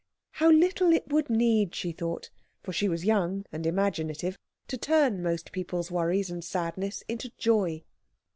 How little it would need, she thought (for she was young and imaginative), to turn most people's worries and sadness into joy.